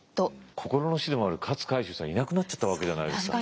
心の師でもある勝海舟さんいなくなっちゃったわけじゃないですか。